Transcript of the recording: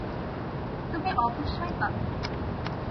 তুমি অবশ্যই পাবে।